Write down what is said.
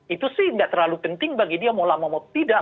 itu sih tidak terlalu penting bagi dia mau lama mau tidak